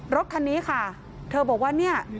รถคันนี้ค่ะเธอบอกว่า